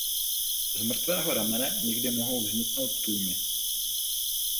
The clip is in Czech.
Z mrtvého ramene někdy mohou vzniknout tůně.